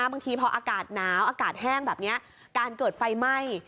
บางทีพออากาศหนาวอากาศแห้งแบบนี้การเกิดไฟไหม้